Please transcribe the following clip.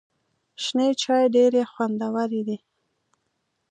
شنې چای ډېري خوندوري دي .